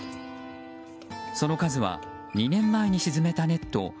その数は２年前に沈めたネット